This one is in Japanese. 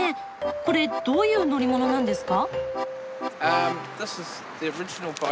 これどういう乗り物なんですか？